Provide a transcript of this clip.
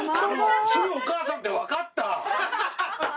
すぐお母さんって分かった。